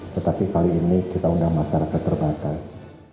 tetapi kali ini kita undang masyarakat terbatas